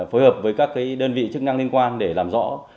và sẽ phối hợp với các cái đơn vị chức năng liên quan để làm rõ